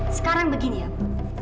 sekarang begini ya bu